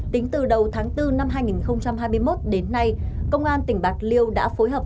tính từ đầu tháng bốn năm hai nghìn hai mươi một đến nay công an tỉnh bạc liêu đã phối hợp